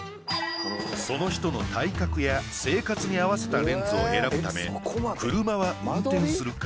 その人の体格や生活に合わせたレンズを選ぶため車は運転するか？